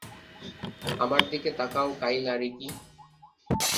আমার দিকে তাকাও কাইলা রিকি?